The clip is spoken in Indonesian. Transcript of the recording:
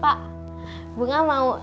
pak bu gak mau